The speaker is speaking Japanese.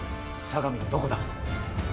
相模のどこだ。